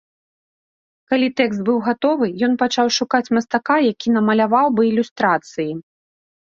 Калі тэкст быў гатовы, ён пачаў шукаць мастака, які намаляваў бы ілюстрацыі.